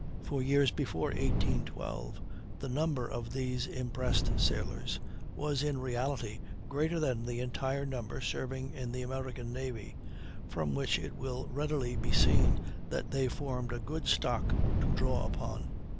For years before 1812, the number of these impressed sailors was in reality greater than the entire number serving in the American navy, from which it will readily be seen that they formed a good stock to draw upon.